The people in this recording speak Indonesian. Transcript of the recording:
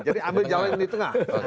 jadi ambil jalan yang di tengah